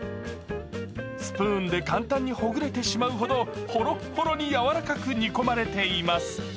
スプーンで簡単にほぐれてしまうほどホロホロにやわらかく煮込まれています。